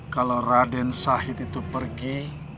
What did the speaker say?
kalau raden sahid itu pergi